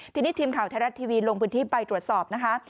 ทีนี้ทีมข่าวไทยรัฐทีวีลงพื้นที่ไปตรวจสอบนะคะ